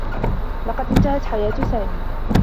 لقد انتهت حياة سامي.